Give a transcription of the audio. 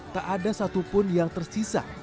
tak ada satupun yang tersisa